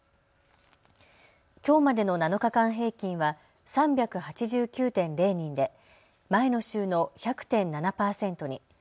きょうまでの７日間平均は３８９．０人で前の週の１００．７％に。